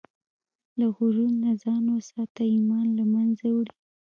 له غرور نه ځان وساته، ایمان له منځه وړي.